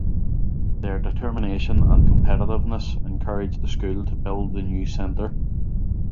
Their determination and competitiveness encouraged the school to build the new center.